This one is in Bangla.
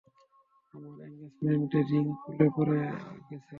আমার এংগেজমেন্ট রিং পুলে পরে গেছে!